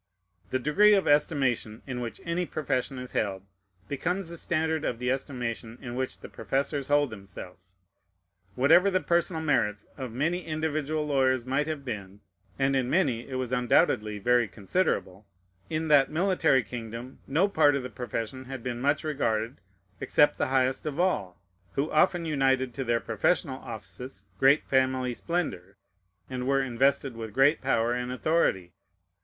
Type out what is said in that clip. The degree of estimation in which any profession is held becomes the standard of the estimation in which the professors hold themselves. Whatever the personal merits of many individual lawyers might have been, (and in many it was undoubtedly very considerable,) in that military kingdom no part of the profession had been much regarded, except the highest of all, who often united to their professional offices great family splendor, and were invested with great power and authority.